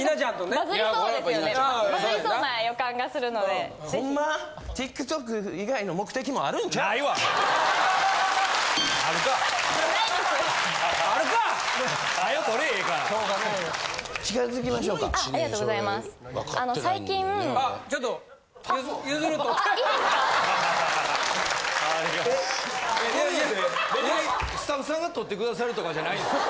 こういうのって別にスタッフさんが撮って下さるとかじゃないんですか？